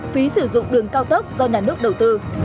phí sử dụng đường cao tốc do nhà nước đầu tư